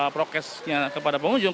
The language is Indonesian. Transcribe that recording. prokesnya kepada pengunjung